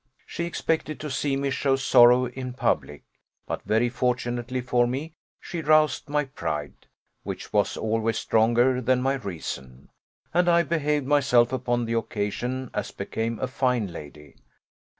She expected to see me show sorrow in public; but very fortunately for me, she roused my pride, which was always stronger than my reason; and I behaved myself upon the occasion as became a fine lady.